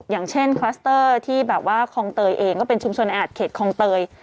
อย่างเช่นคลัสเตอร์ที่แบบว่าคลองเตยเองก็เป็นชุมชนแออัดเขตคลองเตย